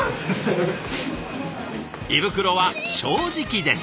胃袋は正直です。